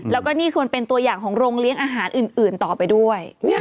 แล้วก็นี่ควรเป็นตัวอย่างของโรงเลี้ยงอาหารอื่นต่อไปด้วย